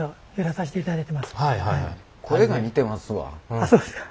あっそうですか。